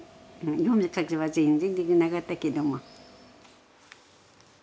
読み書きは全然できなかったけども。